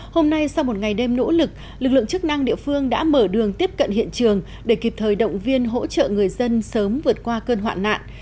hôm nay sau một ngày đêm nỗ lực lực lượng chức năng địa phương đã mở đường tiếp cận hiện trường để kịp thời động viên hỗ trợ người dân sớm vượt qua cơn hoạn nạn